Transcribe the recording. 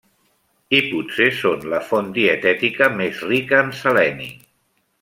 I potser són la font dietètica més rica en seleni.